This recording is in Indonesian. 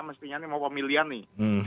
mestinya ini mau pemilihan nih